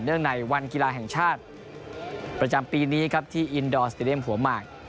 ในวันกีฬาแห่งชาติประจำปีนี้ครับที่อินดอร์สเตรียมหัวหมาก